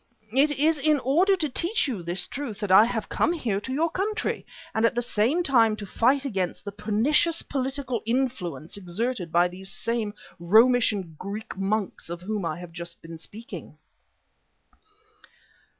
And it is in order to teach you this truth that I have come here to your country, and at the same time to fight against the pernicious political influence exerted by these same Romish and Greek monks of whom I have just been speaking."